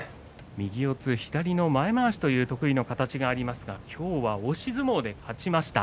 右四つ左の前まわしという得意の形がありますが今日は押し相撲で勝ちました。